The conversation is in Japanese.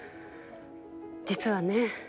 実はね